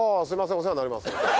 お世話になります。